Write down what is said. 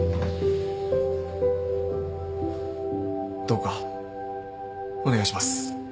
どうかお願いします。